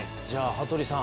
羽鳥さん